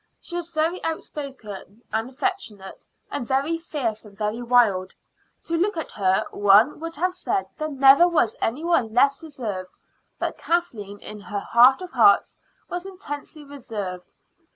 She was very outspoken and affectionate, and very fierce and very wild. To look at her, one would have said there never was any one less reserved; but Kathleen in her heart of hearts was intensely reserved.